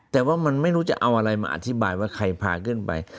แต่ว่ามันไม่รู้จะเอาอะไรมาอธิบายว่าใครพาขึ้นไป